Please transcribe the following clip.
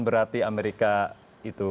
berarti amerika itu